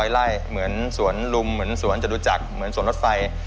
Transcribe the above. ไล่เหมือนสวนลุมเหมือนสวนจตุจักรเหมือนสวนรถไฟ